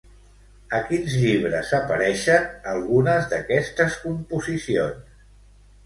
A quins llibres apareixen algunes d'aquestes composicions?